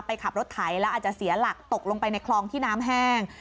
ขับรถไถแล้วอาจจะเสียหลักตกลงไปในคลองที่น้ำแห้ง